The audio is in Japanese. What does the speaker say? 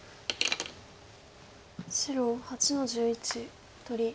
白８の十一取り。